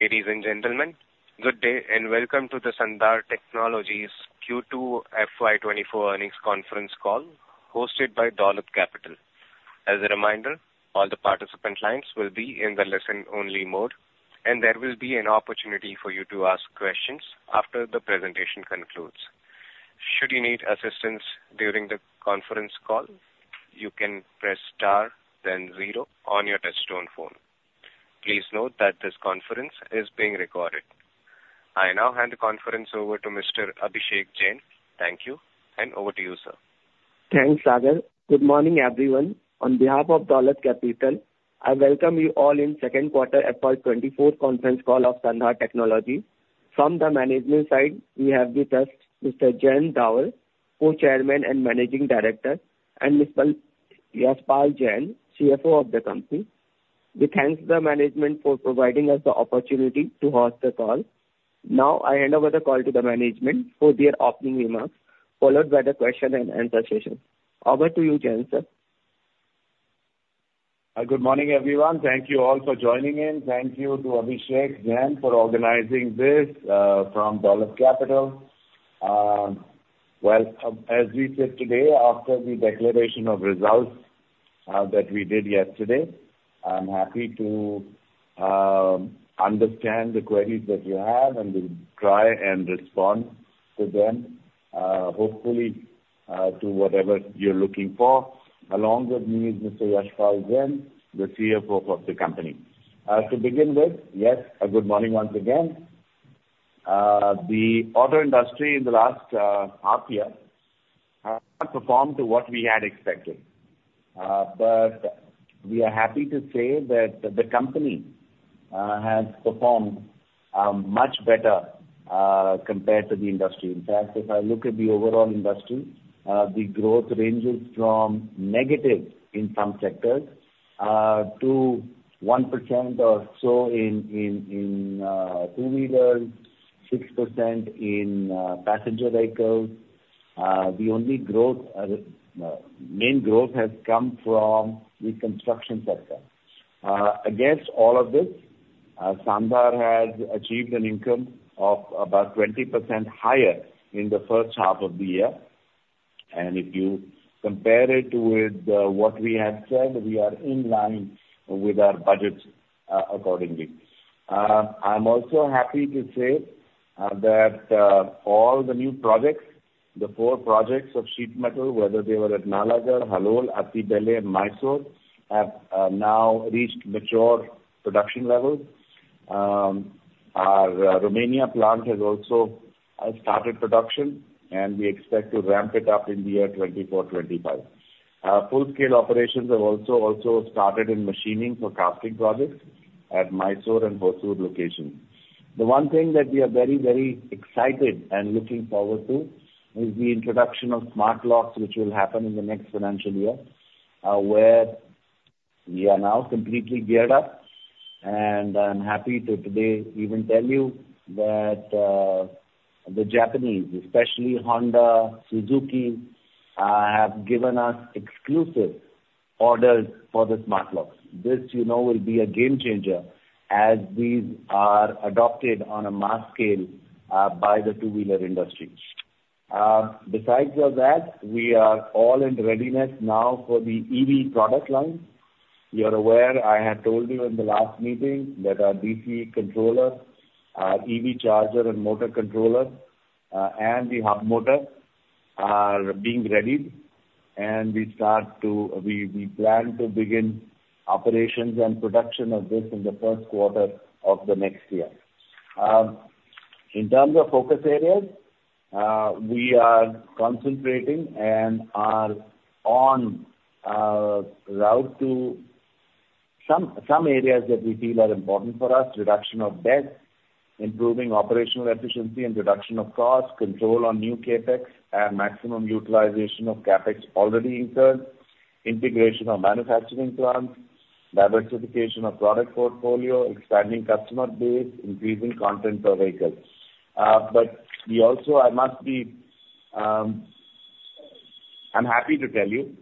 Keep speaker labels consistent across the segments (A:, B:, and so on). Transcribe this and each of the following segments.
A: Ladies and gentlemen, good day, and welcome to the Sandhar Technologies Q2 FY 2024 earnings conference call, hosted by Dolat Capital. As a reminder, all the participant lines will be in the listen-only mode, and there will be an opportunity for you to ask questions after the presentation concludes. Should you need assistance during the conference call, you can press star then zero on your touchtone phone. Please note that this conference is being recorded. I now hand the conference over to Mr. Abhishek Jain. Thank you, and over to you, sir.
B: Thanks, Sagar. Good morning, everyone. On behalf of Dolat Capital, I welcome you all in second quarter FY 2024 conference call of Sandhar Technologies. From the management side, we have with us Mr. Jayant Davar, Co-Chairman and Managing Director, and Mr. Yashpal Jain, CFO of the company. We thank the management for providing us the opportunity to host the call. Now, I hand over the call to the management for their opening remarks, followed by the question and answer session. Over to you, Jain, sir.
C: Good morning, everyone. Thank you all for joining in. Thank you to Abhishek Jain for organizing this, from Dolat Capital. Well, as we said today, after the declaration of results, that we did yesterday, I'm happy to understand the queries that you have, and will try and respond to them, hopefully, to whatever you're looking for. Along with me is Mr. Yashpal Jain, the CFO of the company. To begin with, yes, a good morning once again. The auto industry in the last half year has not performed to what we had expected. But we are happy to say that the company has performed much better compared to the industry. In fact, if I look at the overall industry, the growth ranges from negative in some sectors to 1% or so in two-wheelers, 6% in passenger vehicles. The only growth, main growth has come from the construction sector. Against all of this, Sandhar has achieved an income of about 20% higher in the first half of the year, and if you compare it with what we had said, we are in line with our budgets, accordingly. I'm also happy to say that all the new projects, the 4 projects of sheet metal, whether they were at Nalagarh, Halol, Attibele and Mysore, have now reached mature production levels. Our Romania plant has also started production, and we expect to ramp it up in the year 2024, 2025. Full-scale operations have also started in machining for casting projects at Mysore and Hosur locations. The one thing that we are very, very excited and looking forward to is the introduction of smart locks, which will happen in the next financial year, where we are now completely geared up. And I'm happy to today even tell you that the Japanese, especially Honda, Suzuki, have given us exclusive orders for the smart locks. This, you know, will be a game changer as these are adopted on a mass scale by the two-wheeler industry. Besides of that, we are all in readiness now for the EV product line. You're aware, I had told you in the last meeting that our DC controller, our EV charger and motor controller, and the hub motor are being readied, and we start to... We plan to begin operations and production of this in the first quarter of the next year. In terms of focus areas, we are concentrating and are on route to some areas that we feel are important for us: reduction of debt, improving operational efficiency and reduction of cost, control on new CapEx, and maximum utilization of CapEx already incurred, integration of manufacturing plants, diversification of product portfolio, expanding customer base, increasing content per vehicle. But we also, I must be, I'm happy to tell you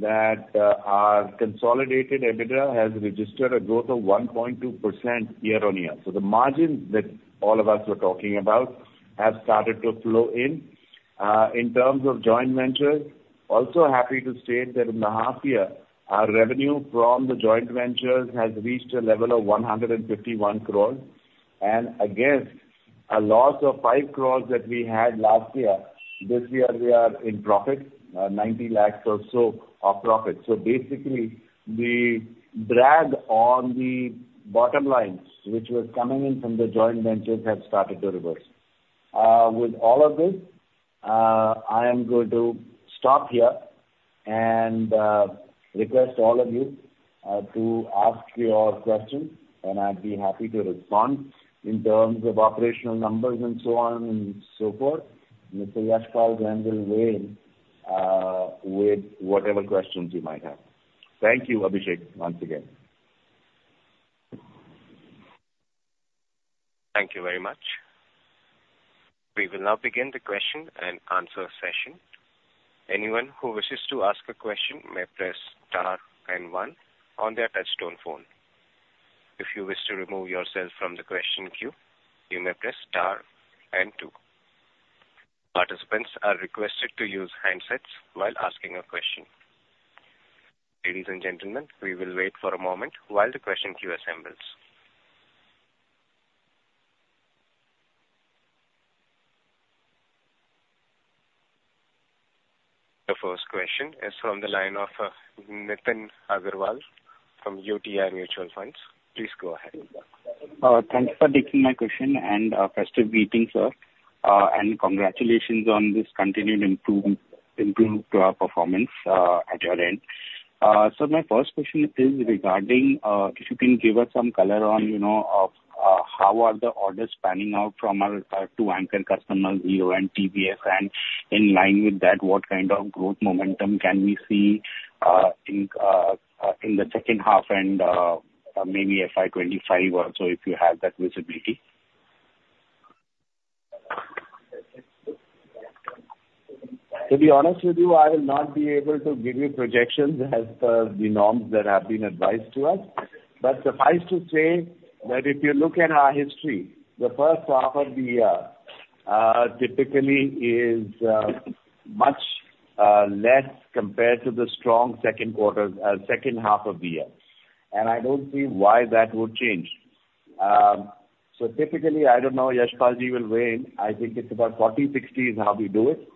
C: that our consolidated EBITDA has registered a growth of 1.2% year-on-year. So the margins that all of us were talking about have started to flow in. In terms of joint ventures, also happy to state that in the half year, our revenue from the joint ventures has reached a level of 151 crore, and against a loss of 5 crore that we had last year, this year we are in profit, 90 lakh or so of profit. So basically, the drag on the bottom lines, which was coming in from the joint ventures, have started to reverse. With all of this, I am going to stop here and request all of you to ask your questions, and I'd be happy to respond in terms of operational numbers and so on and so forth. Mr. Yashpal Jain will weigh in with whatever questions you might have. Thank you, Abhishek, once again.
A: Thank you very much. We will now begin the question and answer session. Anyone who wishes to ask a question may press star and one on their touchtone phone. If you wish to remove yourself from the question queue, you may press star and two. Participants are requested to use handsets while asking a question. Ladies and gentlemen, we will wait for a moment while the question queue assembles. The first question is from the line of Nitin Agarwal from UTI Mutual Fund. Please go ahead.
D: Thank you for taking my question, and festive greetings, sir. And congratulations on this continued improved performance at your end. So my first question is regarding if you can give us some color on, you know, how are the orders panning out from our two anchor customers, Hero and TVS, and in line with that, what kind of growth momentum can we see in the second half and maybe FY 2025 also, if you have that visibility?
C: To be honest with you, I will not be able to give you projections as per the norms that have been advised to us. But suffice to say, that if you look at our history, the first half of the year typically is much less compared to the strong second quarter, second half of the year, and I don't see why that would change. So typically, I don't know, Yashpal Ji will weigh in. I think it's about 40-60 is how we do it.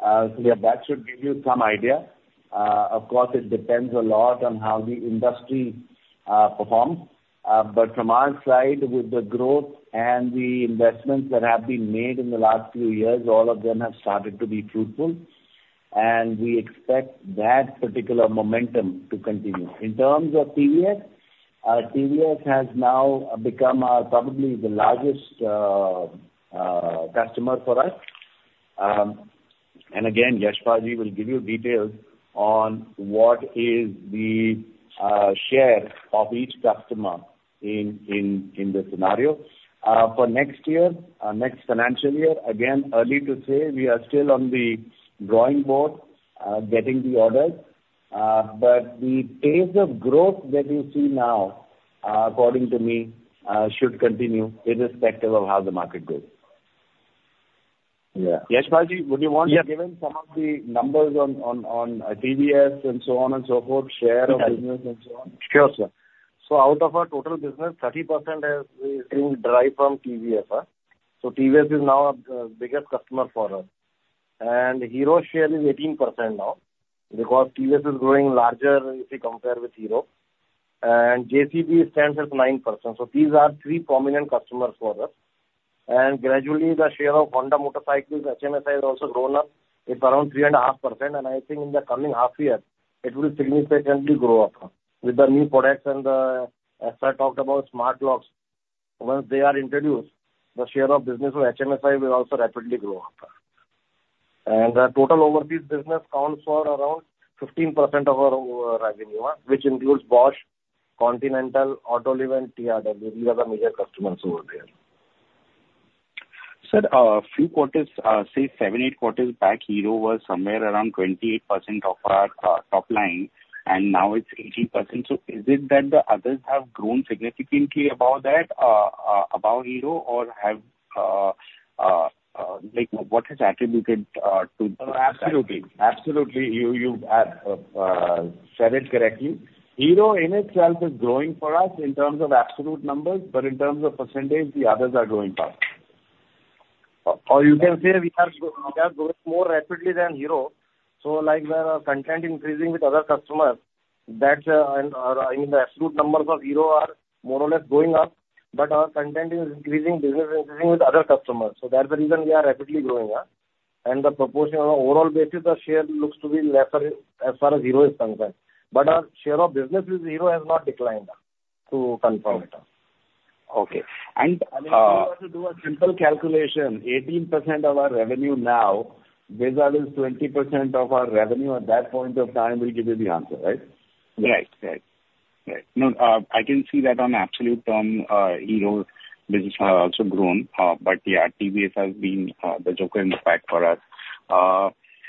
C: So, yeah, that should give you some idea. Of course, it depends a lot on how the industry performs. But from our side, with the growth and the investments that have been made in the last few years, all of them have started to be fruitful, and we expect that particular momentum to continue. In terms of TVS, TVS has now become our, probably the largest, customer for us. And again, Yashpal Ji will give you details on what is the share of each customer in this scenario. For next year, next financial year, again, early to say, we are still on the drawing board, getting the orders. But the pace of growth that we see now, according to me, should continue irrespective of how the market goes. Yeah. Yashpal Ji, would you want to give him some of the numbers on TVS and so on and so forth, share of business and so on?
E: Sure, sir. So out of our total business, 30% is being derived from TVS. So TVS is now our biggest customer for us. And Hero share is 18% now, because TVS is growing larger if you compare with Hero. And JCB stands at 9%. So these are three prominent customers for us. And gradually, the share of Honda motorcycles, HMSI, has also grown up. It's around 3.5%, and I think in the coming half year, it will significantly grow up with the new products and as I talked about smart locks. Once they are introduced, the share of business with HMSI will also rapidly grow up. And the total overseas business accounts for around 15% of our revenue, which includes Bosch, Continental, Autoliv and TRW. These are the major customers over there.
D: Sir, a few quarters, say seven, eight quarters back, Hero was somewhere around 28% of our top line, and now it's 18%. So is it that the others have grown significantly above that, above Hero, or have, like, what is attributed to that?
C: Absolutely. Absolutely. You, you have said it correctly. Hero in itself is growing for us in terms of absolute numbers, but in terms of percentage, the others are growing fast.
E: Or you can say we are go, we are growing more rapidly than Hero, so, like, where our content increasing with other customers, that's, and, I mean, the absolute numbers of Hero are more or less going up, but our content is increasing, business is increasing with other customers, so that's the reason we are rapidly growing up. And the proportion on an overall basis, the share looks to be lesser as far as Hero is concerned, but our share of business with Hero has not declined, to confirm it.
D: Okay. And,
C: If you were to do a simple calculation, 18% of our revenue now versus 20% of our revenue at that point of time will give you the answer, right?
D: Right. Right. Right. No, I can see that on absolute term, Hero business has also grown, but, yeah, TVS has been, the joker in the pack for us.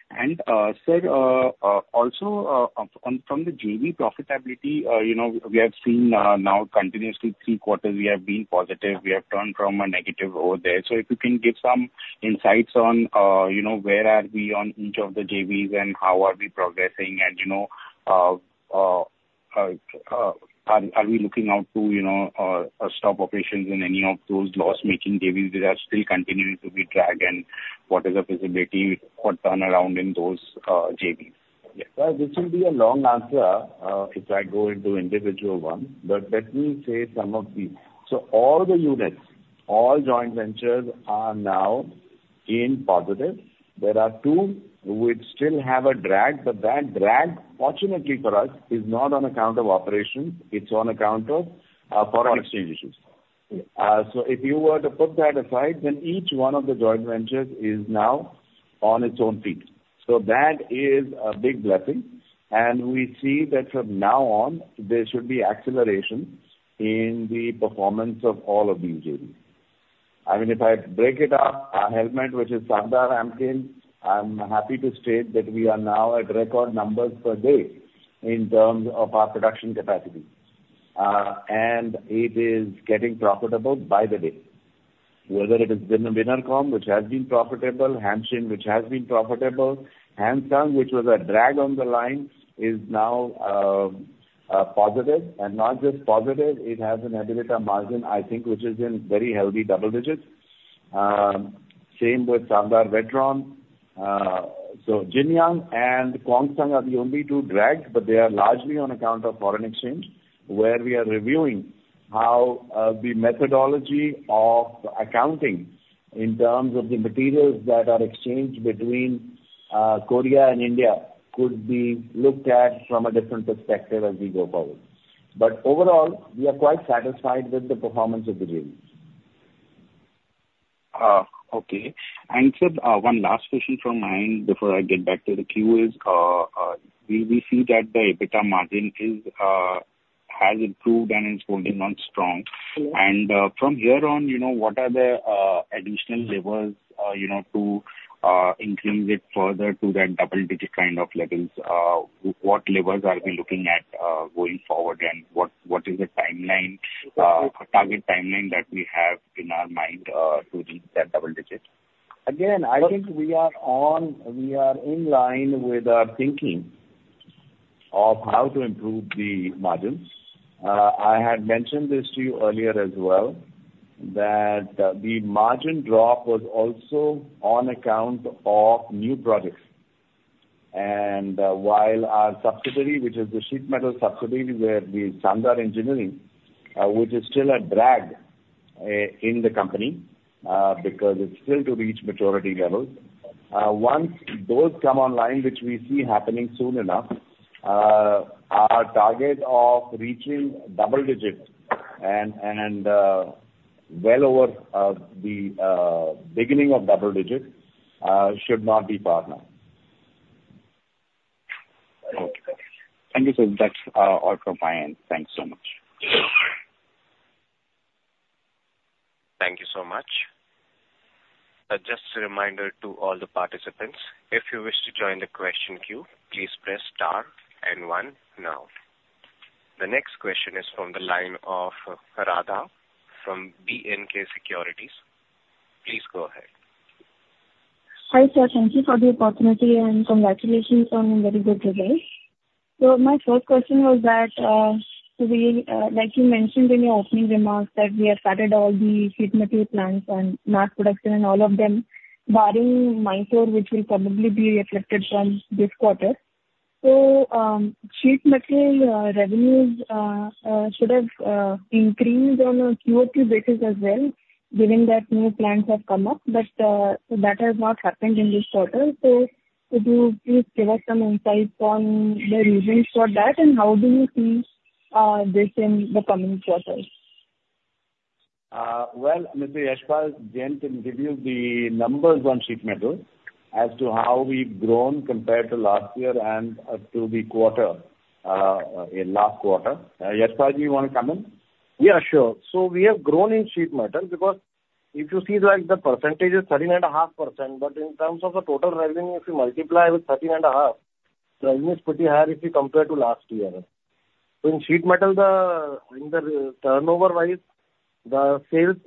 D: And, sir, also, on, from the JV profitability, you know, we have seen, now continuously three quarters, we have been positive. We have turned from a negative over there. So if you can give some insights on, you know, where are we on each of the JVs and how are we progressing? And, you know, are, are we looking out to, you know, stop operations in any of those loss-making JVs that are still continuing to be dragged, and what is the possibility for turnaround in those, JVs?
C: Yeah. Well, this will be a long answer if I go into individual one, but let me say some of the... So all the units, all joint ventures, are now in positive. There are two which still have a drag, but that drag, fortunately for us, is not on account of operations. It's on account of foreign exchange issues.
D: Yeah.
C: So if you were to put that aside, then each one of the joint ventures is now on its own feet. So that is a big blessing, and we see that from now on, there should be acceleration in the performance of all of the JVs. I mean, if I break it up, our helmet, which is Sandhar Amkin, I'm happy to state that we are now at record numbers per day in terms of our production capacity. And it is getting profitable by the day. Whether it is in the Winnercom, which has been profitable, Hanshin, which has been profitable, Han Sung, which was a drag on the line, is now positive. And not just positive, it has an EBITDA margin, I think, which is in very healthy double digits. Same with Sandhar Whetron. So Jinyoung and Kwangsung are the only two drags, but they are largely on account of foreign exchange, where we are reviewing how the methodology of accounting in terms of the materials that are exchanged between Korea and India could be looked at from a different perspective as we go forward. But overall, we are quite satisfied with the performance of the range.
D: Okay. And sir, we see that the EBITDA margin has improved and is holding on strong.
C: Yes.
D: From here on, you know, what are the additional levers, you know, to increase it further to that double digit kind of levels? What levers are we looking at, going forward, and what is the timeline, target timeline that we have in our mind, to reach that double digit?
C: Again, I think we are in line with our thinking of how to improve the margins. I had mentioned this to you earlier as well, that the margin drop was also on account of new products. And while our subsidiary, which is the sheet metal subsidiary, where the Sandhar Engineering, which is still a drag in the company, because it's still to reach maturity levels. Once those come online, which we see happening soon enough, our target of reaching double digits and, and well over the beginning of double digits should not be far now.
D: Okay. Thank you, sir. That's all from my end. Thanks so much.
A: Thank you so much. Just a reminder to all the participants, if you wish to join the question queue, please press star and one now. The next question is from the line of Radha from B&K Securities. Please go ahead.
F: Hi, sir. Thank you for the opportunity, and congratulations on very good results. So my first question was that, so we, like you mentioned in your opening remarks, that we have started all the sheet metal plants and mass production and all of them, barring Mysore, which will probably be reflected from this quarter. So, sheet metal revenues should have increased on a quarter-over-quarter basis as well, given that new plants have come up, but that has not happened in this quarter. So could you please give us some insights on the reasons for that, and how do you see this in the coming quarters?
C: Well, Mr. Yashpal Jain can give you the numbers on sheet metal as to how we've grown compared to last year and up to the quarter, in last quarter. Yashpal, do you want to come in?
E: Yeah, sure. So we have grown in sheet metal, because if you see like the percentage is 13.5%, but in terms of the total revenue, if you multiply with 13.5, revenue is pretty high if you compare to last year. So in sheet metal, the, in the turnover-wise, the sales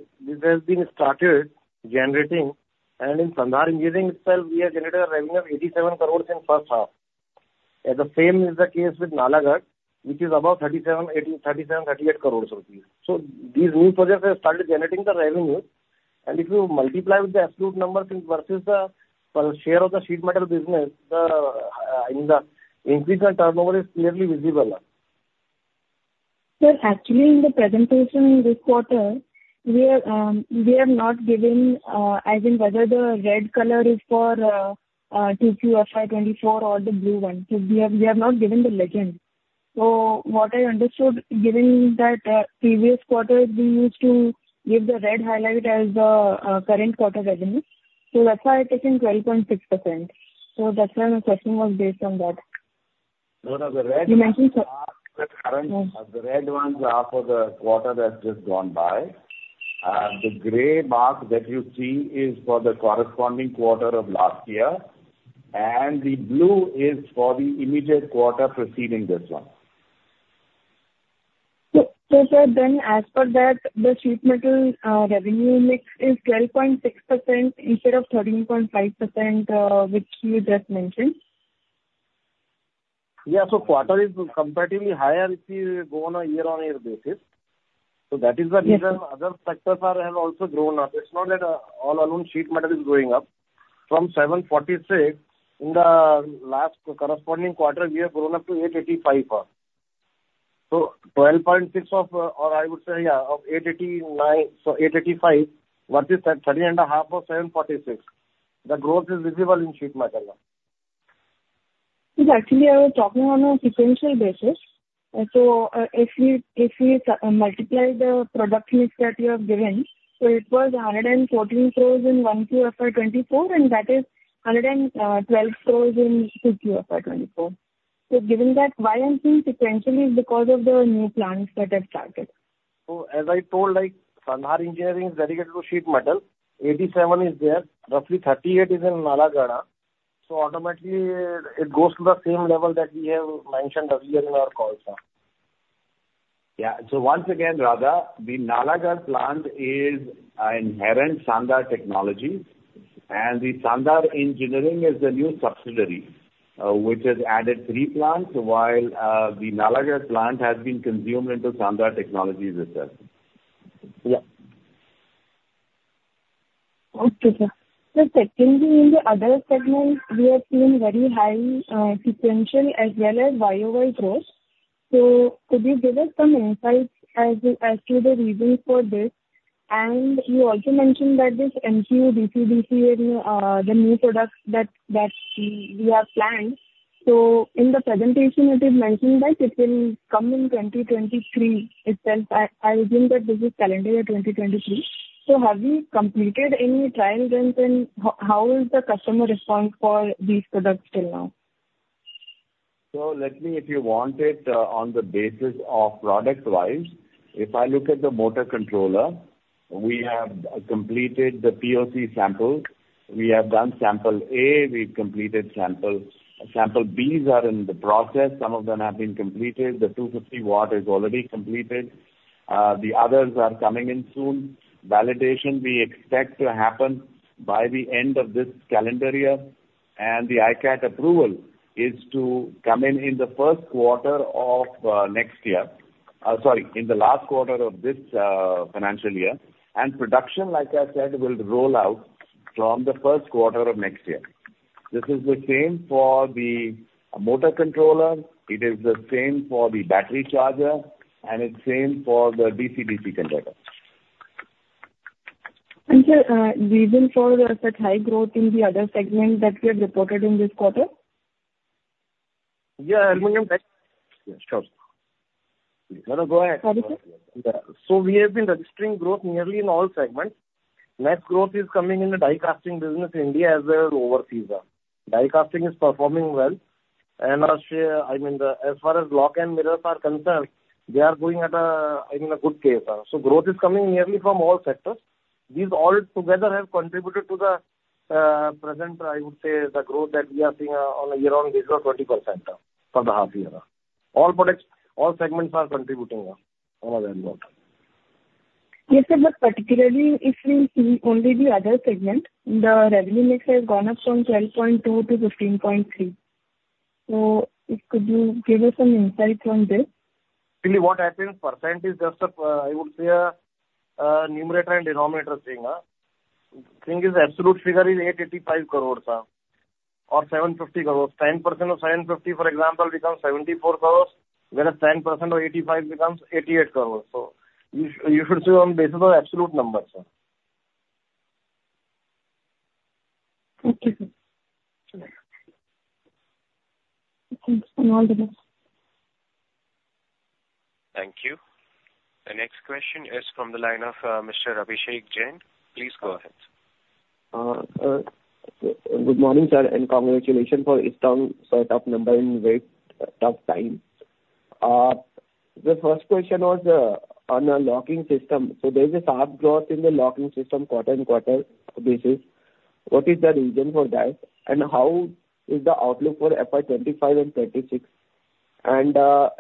E: has been started generating, and in Sandhar Engineering itself, we have generated a revenue of 87 crore in first half. And the same is the case with Nalagarh, which is above 37-38 crore rupees. So these new projects have started generating the revenue, and if you multiply with the absolute numbers versus the, share of the sheet metal business, the, I mean, the increase in turnover is clearly visible.
F: Sir, actually, in the presentation this quarter, we are, we are not given, I think whether the red color is for, two QFY 24 or the blue one. So we have, we are not given the legend. So what I understood, given that, previous quarters we used to give the red highlight as the, current quarter revenue, so that's why I've taken 12.6%. So that's why my question was based on that.
C: No, no, the red-
F: You mentioned, sir-
C: The current, the red ones are for the quarter that's just gone by. The gray mark that you see is for the corresponding quarter of last year, and the blue is for the immediate quarter preceding this one.
F: So, so sir, then as per that, the sheet metal revenue mix is 12.6% instead of 13.5%, which you just mentioned?
E: Yeah. So quarter is comparatively higher if you go on a year-on-year basis. So that is the reason-
F: Yes.
E: Other sectors have also grown up. It's not that all alone sheet metal is growing up. From 746 in the last corresponding quarter, we have grown up to 885. So 12.6 of, or I would say, yeah, of 889, so 885, versus that 30.5 of 746, the growth is visible in sheet metal.
F: Yes, actually, I was talking on a sequential basis. So, if we, if we multiply the product mix that you have given, so it was 114 crores in 1Q FY 2024, and that is 112 crores in 2Q FY 2024. So given that, why I'm seeing sequentially is because of the new plants that have started....
E: So as I told, like, Sandhar Engineering is dedicated to sheet metal, 87 is there, roughly 38 is in Nalagarh, so automatically it goes to the same level that we have mentioned earlier in our call, sir.
C: Yeah. So once again, Radha, the Nalagarh plant is an inherent Sandhar Technologies, and the Sandhar Engineering is the new subsidiary, which has added three plants while the Nalagarh plant has been consumed into Sandhar Technologies itself.
E: Yeah.
F: Okay, sir. So secondly, in the other segment, we are seeing very high sequential as well as YOY growth. So could you give us some insights as to the reason for this? And you also mentioned that this MQU, DC-DC and the new products that we have planned. So in the presentation, it is mentioned that it will come in 2023 itself. I assume that this is calendar year 2023. So have you completed any trial runs, and how is the customer response for these products till now?
C: So let me, if you want it, on the basis of product wise, if I look at the motor controller, we have completed the POC sample. We have done sample A, we've completed sample. Sample Bs are in the process, some of them have been completed. The 250 watt is already completed. The others are coming in soon. Validation we expect to happen by the end of this calendar year, and the ICAT approval is to come in in the first quarter of next year. Sorry, in the last quarter of this financial year. And production, like I said, will roll out from the first quarter of next year. This is the same for the motor controller, it is the same for the battery charger, and it's same for the DC-DC converter.
F: Sir, reason for the such high growth in the other segment that we have reported in this quarter?
E: Yeah, I mean, Sure. No, no, go ahead.
F: Sorry, sir.
E: So we have been registering growth nearly in all segments. Next growth is coming in the Die Casting business in India as well as overseas. Die Casting is performing well, and as, I mean the, as far as lock and mirrors are concerned, they are going at a, in a good pace. So growth is coming nearly from all sectors. These all together have contributed to the present, I would say, the growth that we are seeing on a year-on-year of 20% for the half year. All products, all segments are contributing, all are involved.
F: Yes, sir, but particularly if we see only the other segment, the revenue mix has gone up from 12.2 to 15.3. So could you give us some insight on this?
E: See, what happens, percent is just a, I would say a, numerator and denominator thing. Thing is, absolute figure is 885 crores, or 750 crores. 10% of 750, for example, becomes 74 crores, whereas 10% of 885 becomes 88 crores. So you, you should see on basis of absolute numbers.
F: Okay, sir.
E: Yeah.
F: Thanks, and all the best.
A: Thank you. The next question is from the line of Mr. Abhishek Jain. Please go ahead.
B: Good morning, sir, and congratulations for this term set of number in very tough times. The first question was on a locking system. So there is a sharp growth in the locking system quarter-on-quarter basis. What is the reason for that, and how is the outlook for FY 25 and 26? And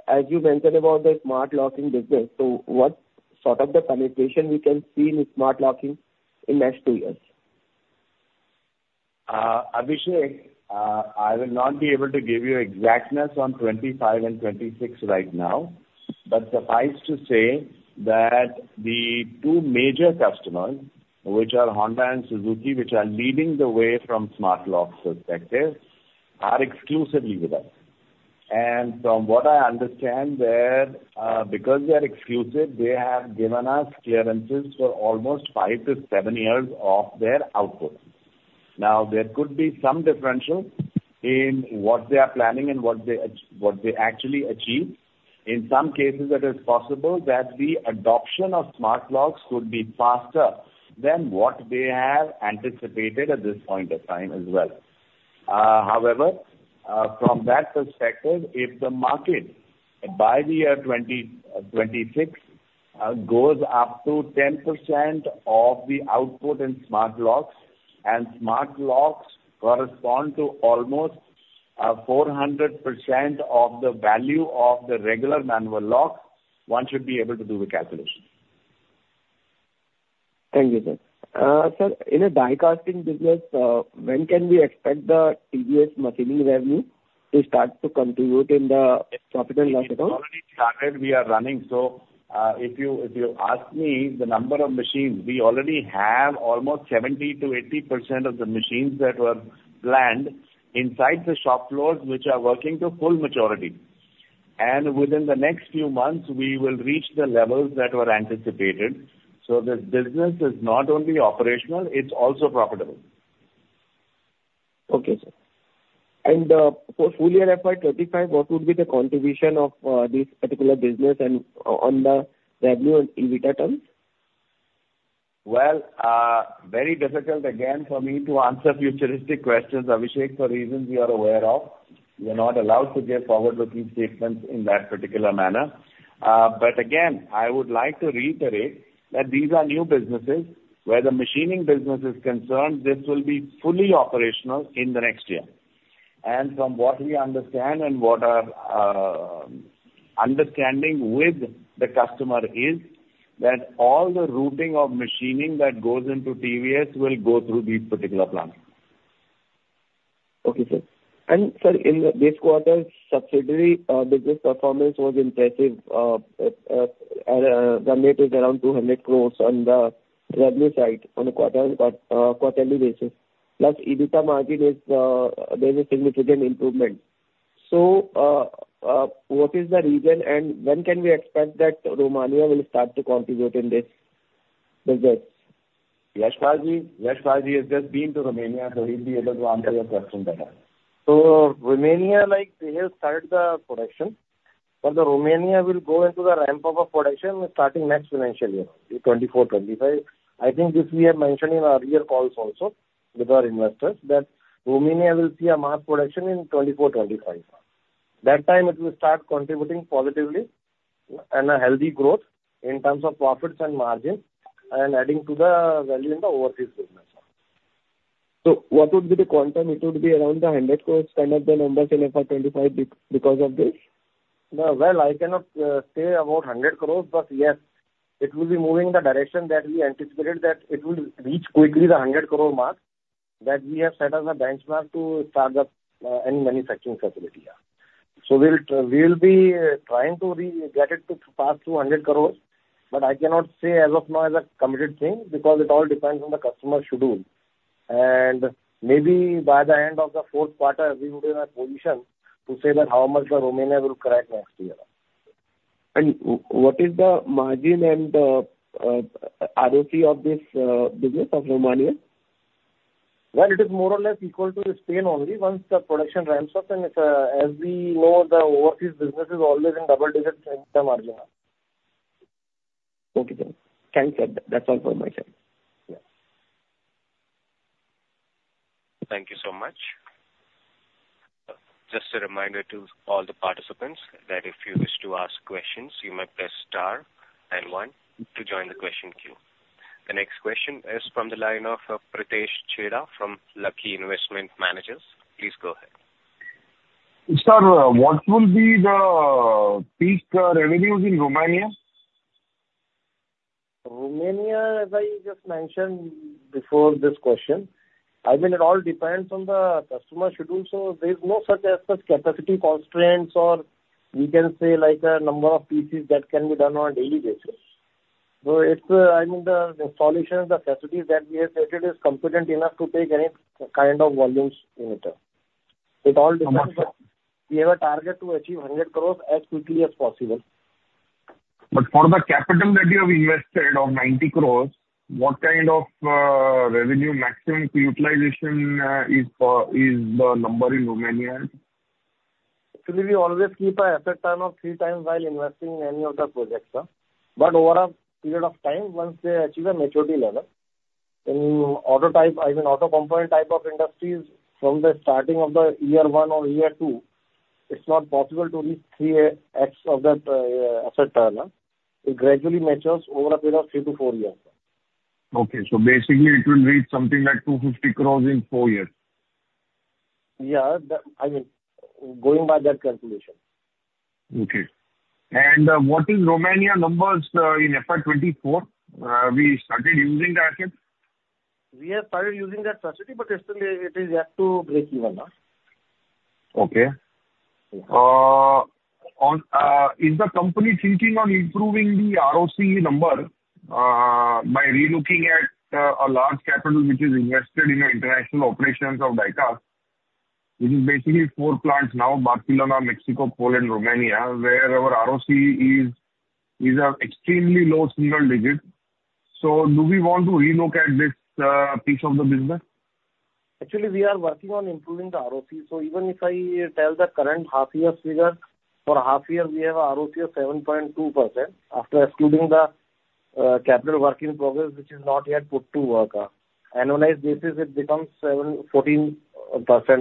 B: as you mentioned about the smart locking business, so what sort of the penetration we can see in smart locking in next two years?
C: Abhishek, I will not be able to give you exactness on 25 and 26 right now, but suffice to say that the two major customers, which are Honda and Suzuki, which are leading the way from smart lock perspective, are exclusively with us. From what I understand there, because they are exclusive, they have given us clearances for almost five to seven years of their output. Now, there could be some differential in what they are planning and what they actually achieve. In some cases, it is possible that the adoption of smart locks could be faster than what they have anticipated at this point of time as well. However, from that perspective, if the market, by the year 2026, goes up to 10% of the output in smart locks, and smart locks correspond to almost 400% of the value of the regular manual locks, one should be able to do the calculation.
B: Thank you, sir. Sir, in the Die Casting business, when can we expect the TVS machining revenue to start to contribute in the profit and loss account?
C: It's already started. We are running, so, if you ask me the number of machines, we already have almost 70%-80% of the machines that were planned inside the shop floors, which are working to full maturity. And within the next few months, we will reach the levels that were anticipated. So this business is not only operational, it's also profitable.
B: Okay, sir. And, for full year FY 2025, what would be the contribution of this particular business and on the revenue and EBITDA terms?...
C: Well, very difficult again for me to answer futuristic questions, Abhishek, for reasons you are aware of. We are not allowed to give forward-looking statements in that particular manner. But again, I would like to reiterate that these are new businesses. Where the machining business is concerned, this will be fully operational in the next year. And from what we understand and what our understanding with the customer is, that all the routing of machining that goes into TVS will go through these particular plants.
B: Okay, sir. Sir, in this quarter, subsidiary business performance was impressive. Revenue is around 200 crore on the revenue side on a quarterly basis, plus EBITDA margin is. There's a significant improvement. So, what is the reason and when can we expect that Romania will start to contribute in this business?
C: Yashpalji, Yashpalji has just been to Romania, so he'll be able to answer your question better.
E: So Romania, like, we have started the production, but the Romania will go into the ramp-up of production starting next financial year, in 2024-25. I think this we have mentioned in our earlier calls also with our investors, that Romania will see a mass production in 2024-25. That time it will start contributing positively and a healthy growth in terms of profits and margins, and adding to the value in the overseas business.
B: So what would be the quantum? It would be around 100 crore kind of the numbers in FY 2025 because of this.
E: Well, I cannot say about 100 crore, but yes, it will be moving in the direction that we anticipated, that it will reach quickly the 100 crore mark, that we have set as a benchmark to start up any manufacturing facility, yeah. So we'll be trying to get it to pass through 100 crore, but I cannot say as of now as a committed thing, because it all depends on the customer schedule. Maybe by the end of the fourth quarter, we would be in a position to say how much the Romania will contribute next year.
B: What is the margin and ROC of this business of Romania?
E: Well, it is more or less equal to Spain only. Once the production ramps up, and it's, as we know, the overseas business is always in double digits in term margin.
B: Okay, sir. Thank you. That's all for my side.
E: Yeah.
A: Thank you so much. Just a reminder to all the participants, that if you wish to ask questions, you may press star and one to join the question queue. The next question is from the line of Pritesh Chheda from Lucky Investment Managers. Please go ahead.
G: Sir, what will be the peak revenues in Romania?
E: Romania, as I just mentioned before this question, I mean, it all depends on the customer schedule, so there's no such as such capacity constraints, or we can say, like a number of pieces that can be done on a daily basis. So it's, I mean, the installation of the facilities that we have created is competent enough to take any kind of volumes in it. It all depends. We have a target to achieve 100 crore as quickly as possible.
G: For the capital that you have invested of 90 crore, what kind of revenue maximum utilization is the number in Romania?
E: Actually, we always keep an asset turn of 3x while investing in any of the projects, sir. But over a period of time, once they achieve a maturity level, in auto type, I mean, auto component type of industries, from the starting of the year one or year two, it's not possible to reach 3x of that asset turn. It gradually matures over a period of three to four years.
G: Okay. So basically it will reach something like 250 crore in four years?
E: Yeah, I mean, going by that calculation.
G: Okay. What is Romania numbers in FY 2024? We started using the asset?
E: We have started using that facility, but still it is yet to break even now.
G: Okay. On, is the company thinking on improving the ROC number, by relooking at, a large capital which is invested in the international operations of Diecast? Which is basically 4 plants now, Barcelona, Mexico, Poland, Romania, where our ROC is an extremely low single digit. So do we want to relook at this, piece of the business?
E: Actually, we are working on improving the ROC, so even if I tell the current half year figure, for half year, we have a ROC of 7.2%, after excluding the capital work in progress, which is not yet put to work. Annualized basis, it becomes 7.14%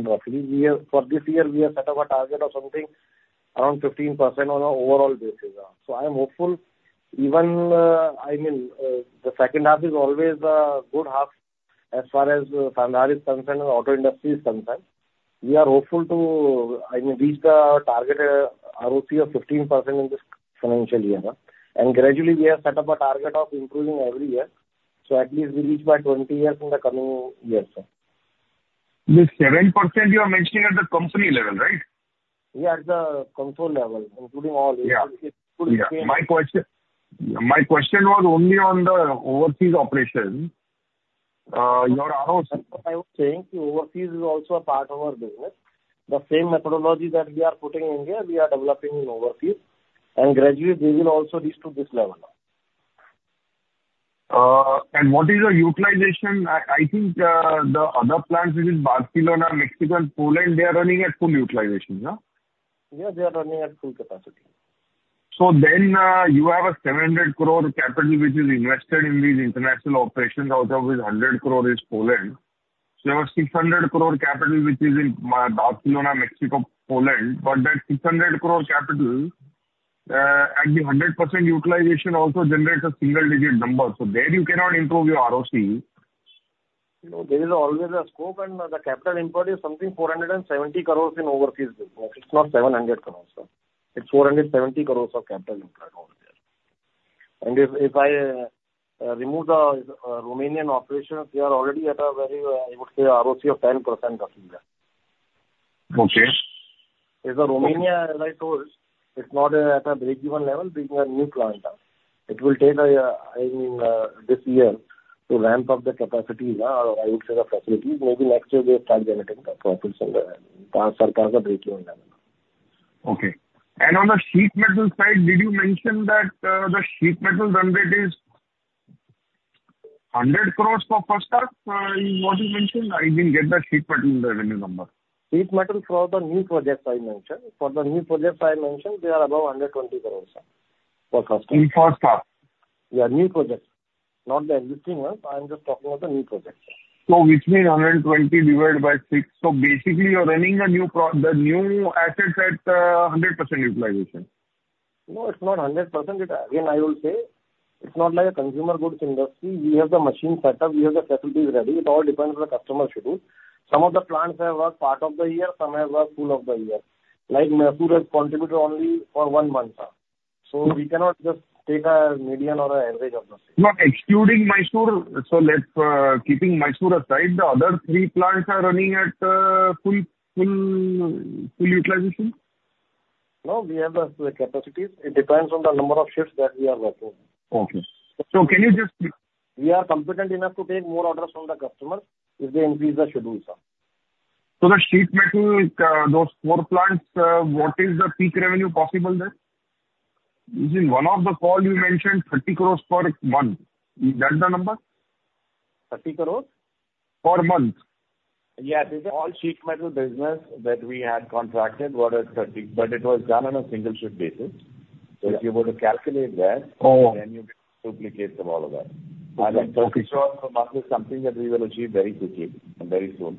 E: roughly. We are, for this year, we have set up a target of something around 15% on an overall basis, so I am hopeful. Even, I mean, the second half is always a good half as far as Sandhar is concerned and auto industry is concerned. We are hopeful to, I mean, reach the target, ROC of 15% in this financial year, and gradually we have set up a target of improving every year, so at least we reach by 20% in the coming years.
G: This 7% you are mentioning at the company level, right?
E: Yeah, at the control level, including all-
G: Yeah.
E: in case
G: My question, my question was only on the overseas operation. Your ROC-
E: I was saying the overseas is also a part of our business. The same methodology that we are putting in here, we are developing in overseas, and gradually they will also reach to this level.
G: What is the utilization? I think the other plants, which is Barcelona, Mexico, and Poland, they are running at full utilization, no?
E: Yeah, they are running at full capacity....
G: So then, you have 700 crore capital which is invested in these international operations, out of which 100 crore is Poland. So you have 600 crore capital, which is in Barcelona, Mexico, Poland, but that 600 crore capital, at the 100% utilization also generates a single-digit number, so there you cannot improve your ROC.
E: No, there is always a scope, and the capital input is something 470 crore in overseas business. It's not 700 crore, sir. It's 470 crore of capital input out there. And if I remove the Romanian operations, we are already at a very I would say, ROC of 10% roughly there.
G: Okay.
E: If the Romania, as I told, it's not at a break-even level, bringing a new plant up. It will take a, I mean, this year to ramp up the capacity, I would say the facilities. Maybe next year they'll start generating the profits on certain break-even level.
G: Okay. On the sheet metal side, did you mention that the sheet metal run rate is 100 crore for first half? What you mentioned, I didn't get that sheet metal revenue number.
E: Sheet metal for the new projects I mentioned. For the new projects I mentioned, they are above 120 crore, sir, for first half.
G: In first half?
E: Yeah, new projects, not the existing ones. I'm just talking about the new projects.
G: So which means 120 divided by 6. So basically you're running the new assets at 100% utilization?
E: No, it's not 100%. It, again, I will say, it's not like a consumer goods industry. We have the machine set up, we have the facilities ready. It all depends on the customer schedule. Some of the plants have worked part of the year, some have worked full of the year. Like, Mysore has contributed only for one month, sir. So we cannot just take a median or an average of the six.
G: No, excluding Mysore. So let's, keeping Mysore aside, the other three plants are running at full, full, full utilization?
E: No, we have the capacities. It depends on the number of shifts that we are working.
G: Okay. Can you just-
E: We are competent enough to take more orders from the customers if they increase the schedules, sir.
G: The sheet metal, those four plants, what is the peak revenue possible there? In one of the call you mentioned 30 crores per month. Is that the number?
E: 30 crores?
G: Per month.
C: Yeah. This is all sheet metal business that we had contracted was at 30, but it was done on a single shift basis. So if you were to calculate that-
G: Oh.
C: Then you can duplicate all of that.
G: Okay.
C: INR 30 crore per month is something that we will achieve very quickly and very soon.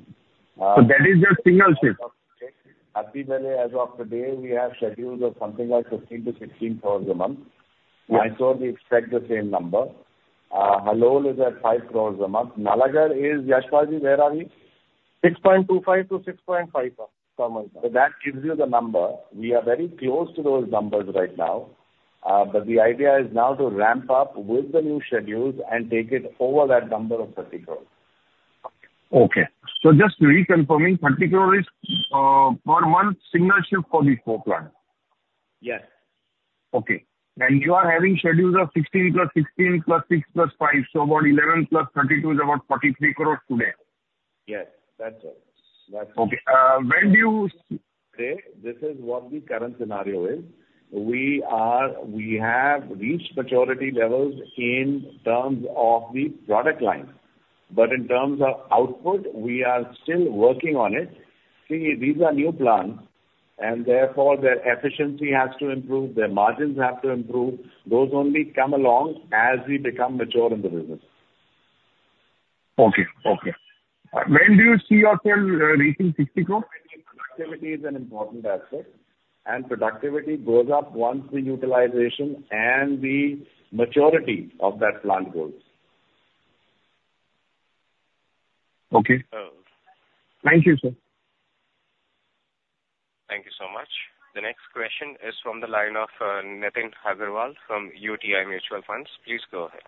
G: That is just single shift?
C: As of today, as of today, we have schedules of something like 15-16 crore a month.
G: Yeah.
C: Mysore, we expect the same number. Halol is at 5 crore a month. Nalagarh is, Yashpalji, where are we?
E: 6.25 crores-6.5 crores per month.
C: So that gives you the number. We are very close to those numbers right now, but the idea is now to ramp up with the new schedules and take it over that number of 30 crore.
G: Okay. So just reconfirming, 30 crore is per month, single shift for the four plant?
C: Yes.
G: Okay. You are having schedules of 16 + 16 + 6 + 5, so about 11 + 32 is about 43 crore today?
C: Yes, that's it. That's it.
G: Okay, when do you-
C: This is what the current scenario is. We have reached maturity levels in terms of the product line, but in terms of output, we are still working on it. See, these are new plants, and therefore, their efficiency has to improve, their margins have to improve. Those only come along as we become mature in the business.
G: Okay. Okay. When do you see yourself reaching 50 crore?
C: Productivity is an important aspect, and productivity goes up once the utilization and the maturity of that plant grows.
G: Okay.
C: Uh.
G: Thank you, sir.
A: Thank you so much. The next question is from the line of Nitin Agarwal from UTI Mutual Fund. Please go ahead.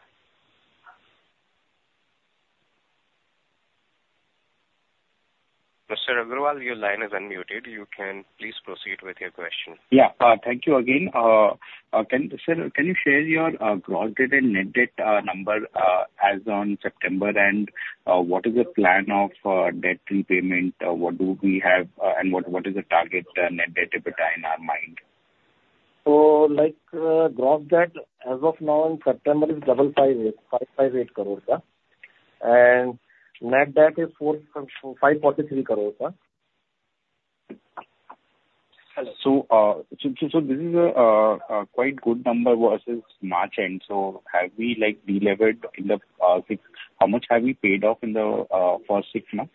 A: Mr. Agarwal, your line is unmuted. You can please proceed with your question.
D: Yeah. Thank you again. Sir, can you share your gross debt and net debt number as on September, and what is the plan of debt repayment? What do we have, and what is the target net debt EBITDA in our mind?
E: Like, gross debt, as of now in September is 258,558 crore, sir. And net debt is 4,543 crore, sir.
D: So this is a quite good number versus March end. So have we like delevered in the six... How much have we paid off in the first six months?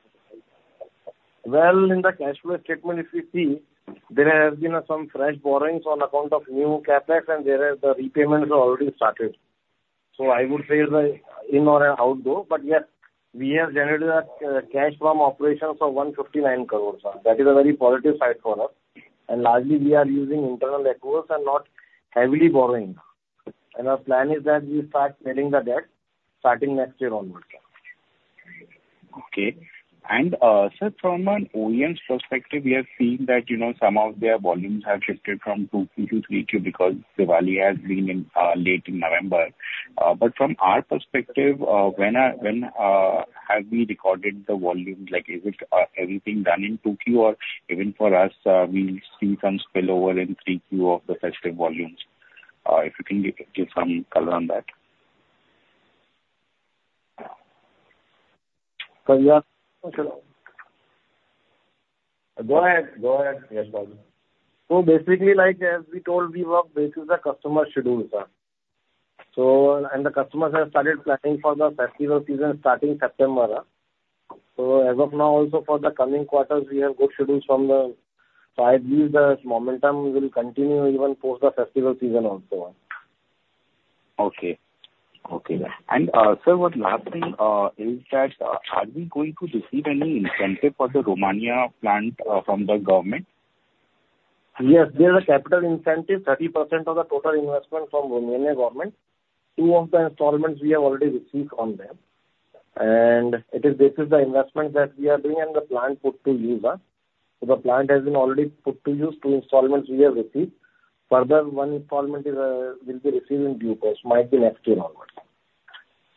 E: Well, in the cash flow statement, if you see, there has been some fresh borrowings on account of new CapEx, and there are the repayments are already started. So I would say the in or an out though, but yes, we have generated a cash from operations of 159 crore, sir. That is a very positive side for us. And largely we are using internal net worth and not heavily borrowing. And our plan is that we start paying the debt starting next year onwards.
D: Okay. Sir, from an OEM's perspective, we have seen that, you know, some of their volumes have shifted from two to three due because Diwali has been in late November. From our perspective, when have we recorded the volume? Like, is it, everything done in two Q or even for us, we see some spillover in three Q of the festive volumes? If you think you can give some color on that.
C: ...Go ahead, go ahead, yes, baju. So basically, like as we told you, work basis the customer schedules, sir. So, and the customers have started planning for the festival season starting September. So as of now, also for the coming quarters, we have good schedules from the—so I believe the momentum will continue even post the festival season also.
D: Okay. Okay. Sir, one last thing, are we going to receive any incentive for the Romania plant from the government?
C: Yes, there is a capital incentive, 30% of the total investment from Romanian government. Two of the installments we have already received from them, and it is based the investment that we are doing and the plant put to use. So the plant has been already put to use, two installments we have received. Further, one installment is will be received in due course, might be next year onwards.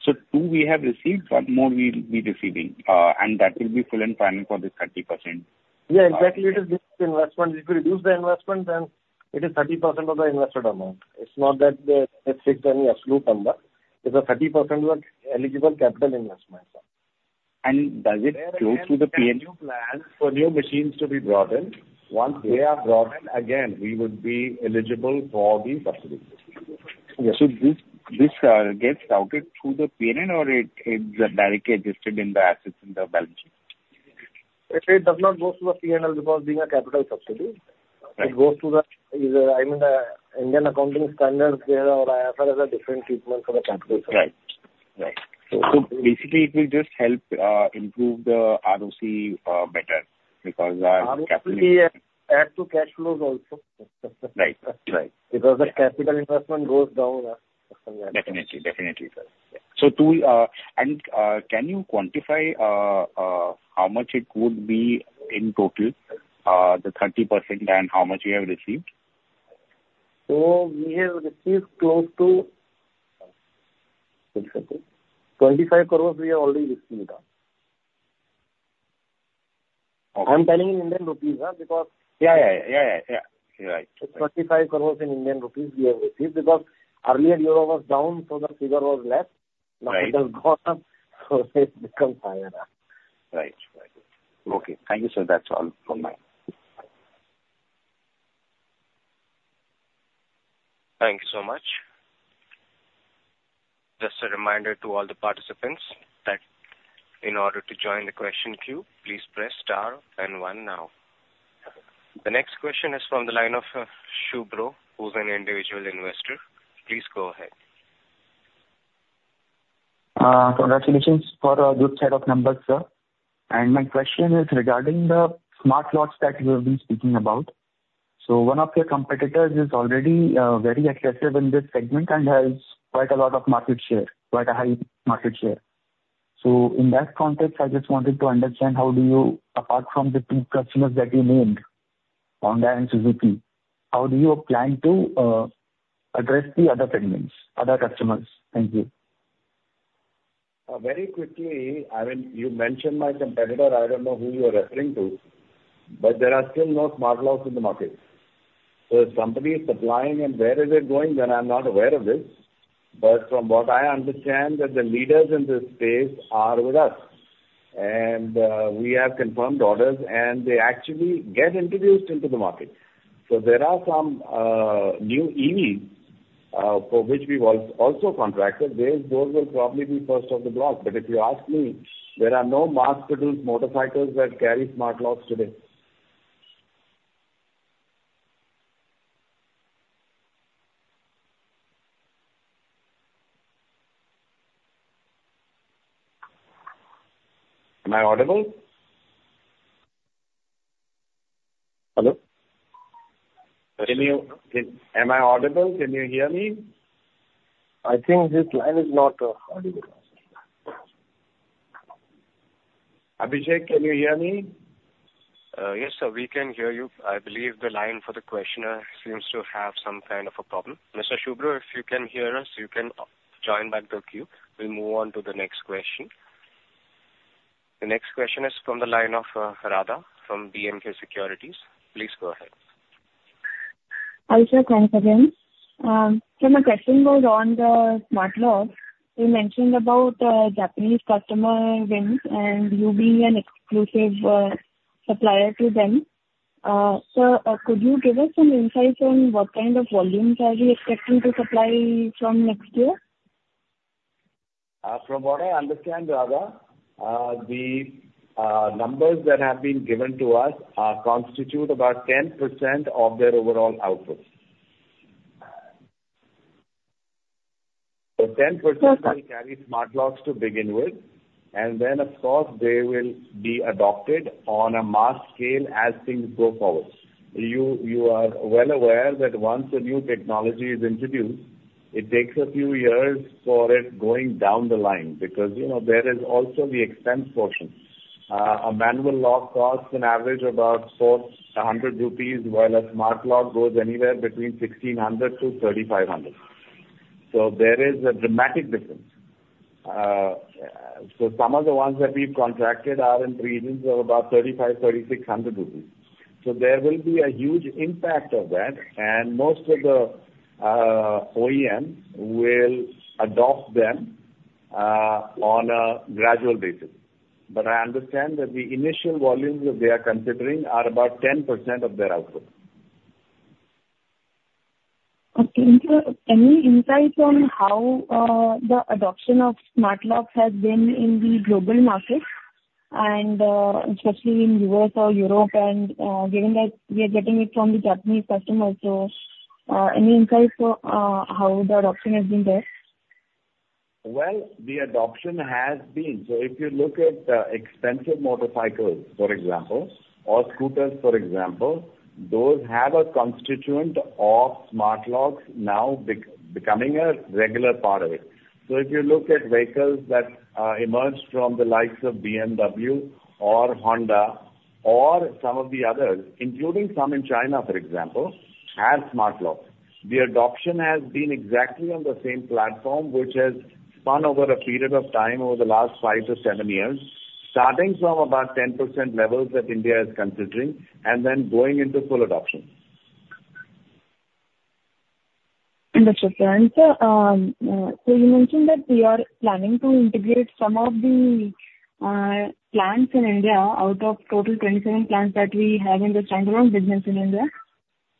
D: So 2 we have received, 1 more we'll be receiving, and that will be full and final for this 30%?
C: Yeah, exactly. It is based investment. If you reduce the investment, then it is 30% of the invested amount. It's not that it's a fixed any absolute number. It's a 30% of eligible capital investment, sir.
D: Does it go through the P-
C: New plans for new machines to be brought in. Once they are brought in, again, we would be eligible for the subsidy.
D: Yeah, so this gets routed through the PNL or it's directly adjusted in the assets, in the balance sheet?
C: It does not go through the PNL because being a capital subsidy, it goes through, I mean, the Indian Accounting Standard or IFR has a different treatment for the capital.
D: Right. Right. So, so basically it will just help improve the ROC better because capital-
C: Add to cash flows also.
D: Right. Right.
C: Because the capital investment goes down.
D: Definitely, definitely, sir. So, to and can you quantify how much it would be in total, the 30% and how much you have received?
C: So we have received close to INR 25 crore we have already received. I'm telling in Indian rupees, because-
D: Yeah, yeah, yeah, yeah, yeah. Right.
C: INR 25 crore we have received, because earlier Euro was down, so the figure was less.
D: Right.
C: Now it has gone up, so it becomes higher.
D: Right. Right. Okay, thank you, sir. That's all from my end.
A: Thank you so much. Just a reminder to all the participants that in order to join the question queue, please press star and one now. The next question is from the line of Shubro, who's an individual investor. Please go ahead.
H: Congratulations for a good set of numbers, sir. My question is regarding the smart locks that you have been speaking about. One of your competitors is already very aggressive in this segment and has quite a lot of market share, quite a high market share. In that context, I just wanted to understand how do you, apart from the two customers that you named, Honda and Suzuki, how do you plan to address the other segments, other customers? Thank you.
C: Very quickly, I mean, you mentioned my competitor. I don't know who you are referring to, but there are still no smart locks in the market. So if somebody is supplying and where is it going, then I'm not aware of this. But from what I understand, that the leaders in this space are with us, and we have confirmed orders, and they actually get introduced into the market. So there are some new EVs for which we was also contracted. Those, those will probably be first of the block. But if you ask me, there are no mass-produced motorcycles that carry smart locks today. Am I audible?
H: Hello?
C: Can you... Am I audible? Can you hear me?
H: I think this line is not audible.
C: Abhijit, can you hear me?
A: Yes, sir, we can hear you. I believe the line for the questioner seems to have some kind of a problem. Mr. Shubro, if you can hear us, you can join back the queue. We'll move on to the next question. The next question is from the line of Radha from B&K Securities. Please go ahead.
F: Hi, sir, thanks again. My question was on the smart locks. You mentioned about a Japanese customer wins and you being an exclusive supplier to them. Sir, could you give us some insights on what kind of volumes are we expecting to supply from next year?
C: From what I understand, Radha, the numbers that have been given to us constitute about 10% of their overall output. So 10%-
F: Okay.
C: will carry smart locks to begin with, and then, of course, they will be adopted on a mass scale as things go forward. You, you are well aware that once a new technology is introduced, it takes a few years for it going down the line, because, you know, there is also the expense portion. A manual lock costs an average about 400 rupees, while a smart lock goes anywhere between 1,600-3,500. So there is a dramatic difference. So some of the ones that we've contracted are in the regions of about 3,500-3,600 rupees. So there will be a huge impact of that, and most of the OEM will adopt them on a gradual basis. But I understand that the initial volumes that they are considering are about 10% of their output.
F: Okay. So any insights on how the adoption of smart locks has been in the global markets and especially in U.S. or Europe? And given that we are getting it from the Japanese customers, so any insights on how the adoption has been there?
C: Well, the adoption has been so if you look at expensive motorcycles, for example, or scooters, for example, those have a constituent of smart locks now becoming a regular part of it. So if you look at vehicles that emerged from the likes of BMW or Honda or some of the others, including some in China, for example, have smart locks. The adoption has been exactly on the same platform, which has spun over a period of time over the last five to seven years, starting from about 10% levels that India is considering, and then going into full adoption.
F: Understood, sir. sir, so you mentioned that we are planning to integrate some of the plants in India out of total 27 plants that we have in the standalone business in India.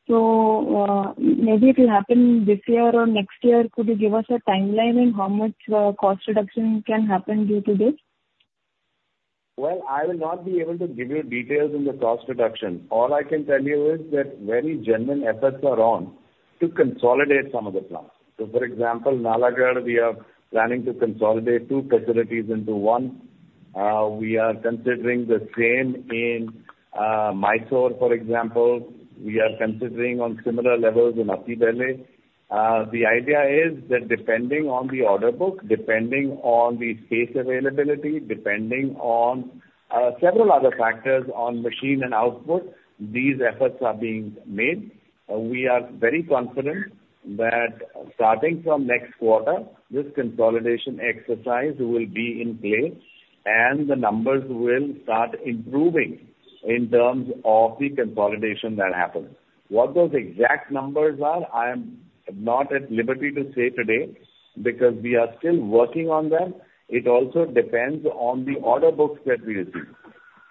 F: Maybe it will happen this year or next year. Could you give us a timeline on how much cost reduction can happen due to this?
C: Well, I will not be able to give you details on the cost reduction. All I can tell you is that very genuine efforts are on to consolidate some of the plants. So, for example, Nalagarh, we are planning to consolidate two facilities into one. We are considering the same in Mysore, for example. We are considering on similar levels in Attibele. The idea is that depending on the order book, depending on the space availability, depending on several other factors on machine and output, these efforts are being made. We are very confident that starting from next quarter, this consolidation exercise will be in place, and the numbers will start improving in terms of the consolidation that happens. What those exact numbers are, I am not at liberty to say today, because we are still working on them. It also depends on the order books that we receive.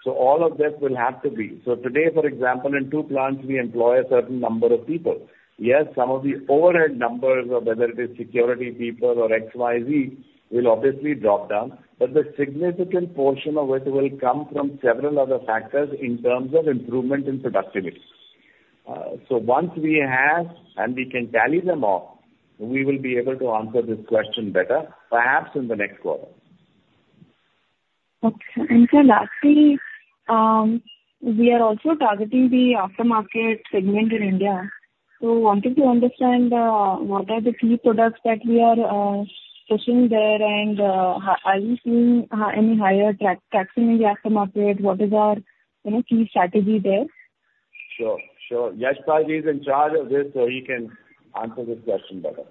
C: So all of this will have to be... So today, for example, in two plants, we employ a certain number of people. Yes, some of the overhead numbers, of whether it is security people or XYZ, will obviously drop down, but the significant portion of it will come from several other factors in terms of improvement in productivity. So once we have, and we can tally them all, we will be able to answer this question better, perhaps in the next quarter.
F: Okay. Sir, lastly, we are also targeting the aftermarket segment in India. Wanted to understand what are the key products that we are pushing there, and are we seeing any higher traction in the aftermarket? What is our, you know, key strategy there?
C: Sure, sure. Yashpal is in charge of this, so he can answer this question better.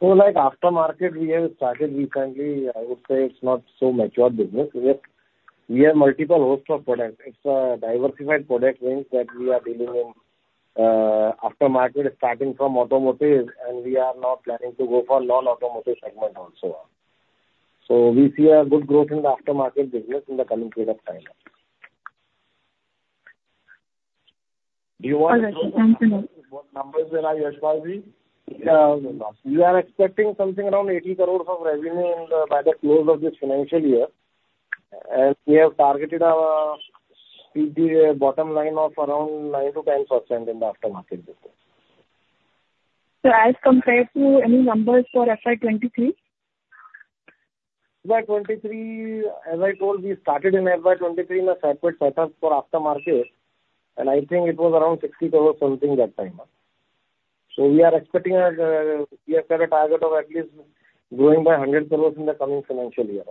E: So, like, aftermarket, we have started recently. I would say it's not so mature business. We have multiple host of products. It's a diversified product range that we are dealing in, aftermarket, starting from automotive, and we are now planning to go for non-automotive segment also. So we see a good growth in the aftermarket business in the coming period of time.
C: Do you want to go over what numbers there are, Yashpalji?
E: We are expecting something around 80 crore of revenue in the, by the close of this financial year. And we have targeted our EBITDA bottom line of around 9%-10% in the aftermarket business.
F: As compared to any numbers for FY 2023?
E: FY 2023, as I told you, we started in FY 2023 in a separate setup for aftermarket, and I think it was around 60 crore, something that time. So we are expecting a, we have set a target of at least growing by 100 crore in the coming financial year.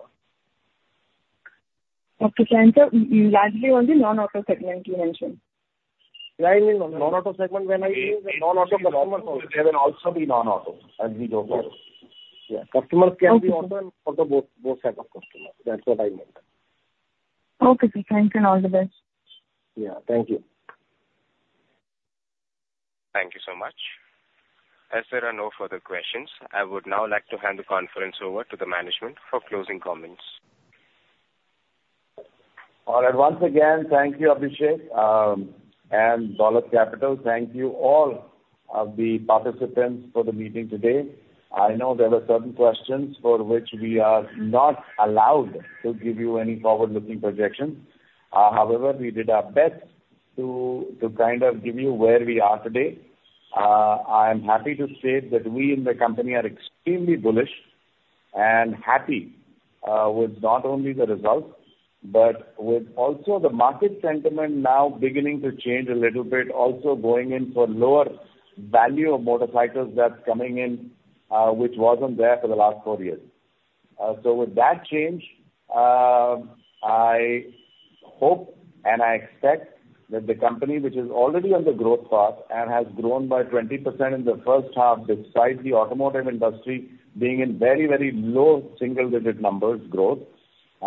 F: Okay, thank you. Lastly, on the non-auto segment you mentioned.
E: I mean, non-auto segment. When I use non-auto, the normal, there will also be non-auto as we go there. Yeah.
F: Okay.
E: Customers can be auto and for the both, both set of customers. That's what I meant.
F: Okay, sir. Thank you, and all the best.
E: Yeah, thank you.
A: Thank you so much. As there are no further questions, I would now like to hand the conference over to the management for closing comments.
C: All right. Once again, thank you, Abhishek. And Dolat Capital, thank you all of the participants for the meeting today. I know there were certain questions for which we are not allowed to give you any forward-looking projections. However, we did our best to kind of give you where we are today. I am happy to state that we in the company are extremely bullish and happy with not only the results, but with also the market sentiment now beginning to change a little bit, also going in for lower value of motorcycles that's coming in, which wasn't there for the last four years. So with that change, I hope and I expect that the company, which is already on the growth path and has grown by 20% in the first half, despite the automotive industry being in very, very low single-digit numbers growth,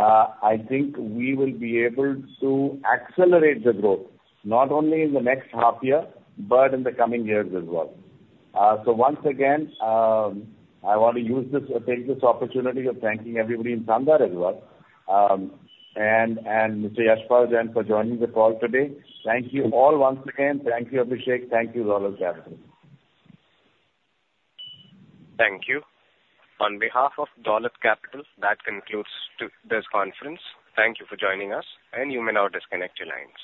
C: I think we will be able to accelerate the growth, not only in the next half year, but in the coming years as well. So once again, I want to use this, take this opportunity of thanking everybody in Sandhar as well, and Mr. Yashpal, again, for joining the call today. Thank you all once again. Thank you, Abhishek. Thank you, Dolat Capital.
A: Thank you. On behalf of Dolat Capital, that concludes this conference. Thank you for joining us, and you may now disconnect your lines.